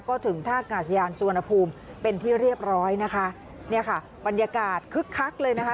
ก็ถึงท่ากาศยานสุวรรณภูมิเป็นที่เรียบร้อยนะคะเนี่ยค่ะบรรยากาศคึกคักเลยนะคะ